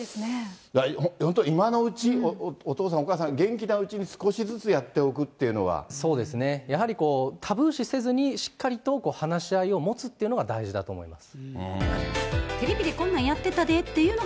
本当、今のうち、お父さん、お母さんが元気なうちに、少しずつやっておそうですね、やはりタブー視せずに、しっかりと話し合いを持つっていうのが大事だと思います。